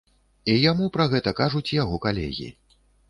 І яму пра гэта кажуць яго калегі.